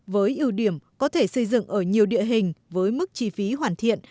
với ưu điểm có thể xây dựng ở nhiều địa hình với mức chi phí hoàn thiện